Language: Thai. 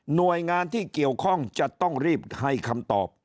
หน่วยงานที่เกี่ยวข้องจะต้องรีบให้คำตอบ